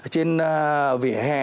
trên vỉa hè